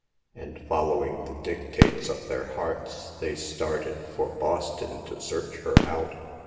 and, following the dictates of their hearts, they started for Boston to search her out.